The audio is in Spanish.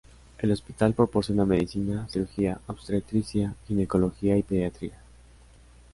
El hospital proporciona medicina, cirugía, obstetricia, ginecología y pediatría.